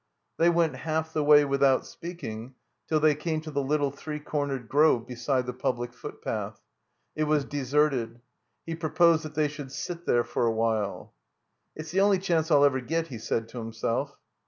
They went half the way without speaking, till they came to the little three cornered grove beside the public footpath. It was deserted. He proposed that they should sit there for a while. *'It*s the only chance I'll ever get," he said to himself.